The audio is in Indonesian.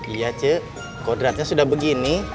iya cek kodratnya sudah begini